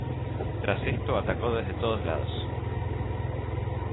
Tras esto atacó desde todos lados.